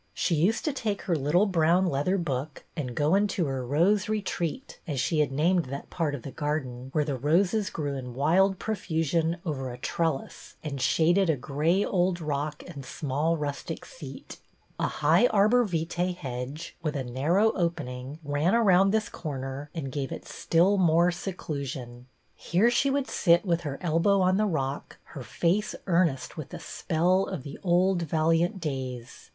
She used to take her little brown leather book and go into her Rose Retreat, as she had named that part of their garden where the roses grew in wild profusion over a trellis and shaded a gray old rock and small rustic seat. A high arbor vitae hedge with a nar row opening ran around this corner and gave it still more seclusion. Here she would sit. 202 BETTY BAIRD with her elbow on the rock, her face earnest with the spell of the old valiant days.